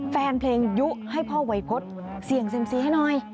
แฟนเพลงยุให้พ่อวัยพฤษเสี่ยงเซ็มซีให้หน่อย